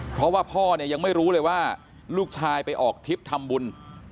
เพราะว่าพ่อเนี่ยยังไม่รู้เลยว่าลูกชายไปออกทริปทำบุญ